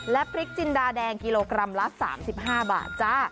และพริกจินดาแดงกิโลกรัมละ๓๕บาทจ้า